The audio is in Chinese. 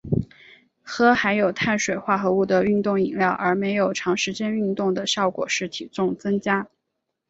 喝含有碳水化合物的运动饮料而没有长时间运动的效果是体重增加。